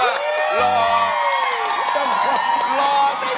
มึงว่าหรอ